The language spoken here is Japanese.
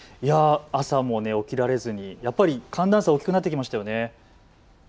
朝も起きられずにやっぱり寒暖差が大きくなってきましたよね。